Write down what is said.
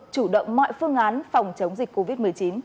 chủ động mọi phương án phòng chống dịch covid một mươi chín